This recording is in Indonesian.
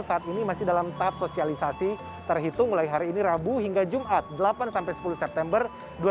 saat ini masih dalam tahap sosialisasi terhitung mulai hari ini rabu hingga jumat delapan sepuluh september dua ribu dua puluh